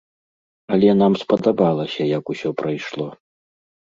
Але нам спадабалася, як усё прайшло.